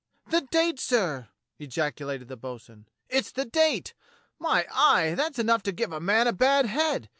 '' "The date, sir," ejaculated the bo'sun; "it's the date. My eye ! that's enough to give a man a bad head.